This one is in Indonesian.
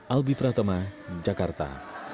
albi pratama jakarta